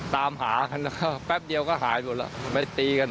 ตามหากันแล้วก็แป๊บเดียวก็หายหมดแล้ว